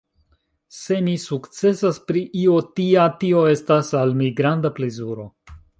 Se mi sukcesas pri io tia, tio estas al mi granda plezuro.